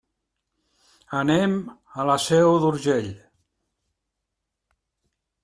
Anem a la Seu d'Urgell.